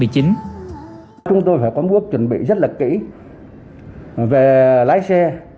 chúng tôi phải có mức chuẩn bị rất là kỹ về lái xe